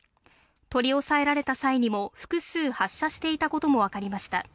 取り押さえられた際にも複数発射していたことも分かりました。